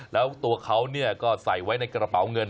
แล้วตัวเขาก็ใส่ไว้ในกระเป๋าเงิน